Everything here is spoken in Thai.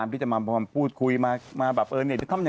พลิกต๊อกเต็มเสนอหมดเลยพลิกต๊อกเต็มเสนอหมดเลย